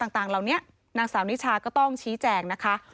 ต่างเหล่านี้นางสาวนิชาก็ต้องชี้แจงนะคะ